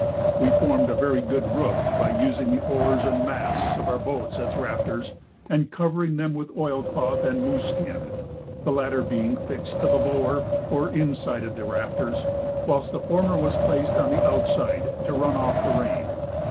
We formed a very good roof by using the oars and masts of our boats as rafters, and covering them with oilcloth and moose skin, the latter being fixed to the lower or inside of the rafters, whilst the former was placed on the outside to run off the rain.